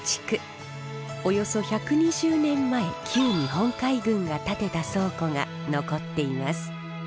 およそ１２０年前旧日本海軍が建てた倉庫が残っています。